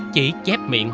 chỉ chép miệng